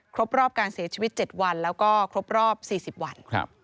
ครบรอบการเสียชีวิต๗วันแล้วก็ครบรอบ๔๐วัน